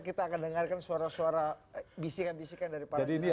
kita akan dengarkan suara suara bisikan bisikan dari para